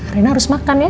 rena harus makan ya